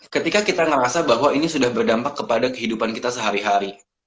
ketika kita merasa bahwa ini sudah berdampak kepada kehidupan kita sehari hari